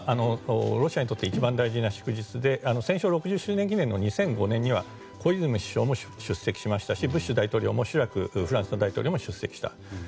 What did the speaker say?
ロシアにとって一番大事な祝日で戦勝６０周年記念の２００５年には小泉首相も出席しましたしブッシュ大統領もフランスのシラク大統領も出席しました。